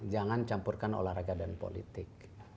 jangan campurkan olahraga dan politik